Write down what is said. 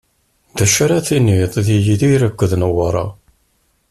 D acu ara tiniḍ di Yidir akked Newwara?